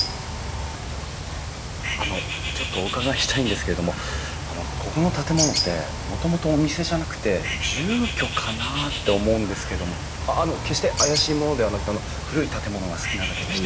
あのちょっとお伺いしたいんですけれどもあのここの建物ってもともとお店じゃなくて住居かなって思うんですけれどもあの決して怪しい者ではなくて古い建物が好きなだけでして。